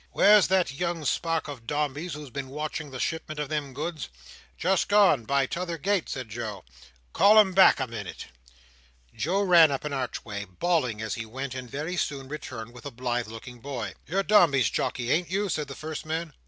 "Where's that young spark of Dombey's who's been watching the shipment of them goods?" "Just gone, by tt'other gate," said Joe. "Call him back a minute." Joe ran up an archway, bawling as he went, and very soon returned with a blithe looking boy. "You're Dombey's jockey, ain't you?" said the first man.